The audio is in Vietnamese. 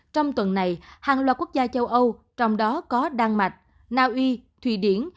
trong tuần này hàng loạt quốc gia châu âu trong đó có đan mạch naui thủy điển